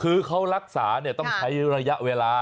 คือเขารักษาต้องใช้ระยะเวลา